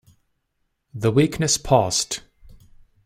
The weakness passed.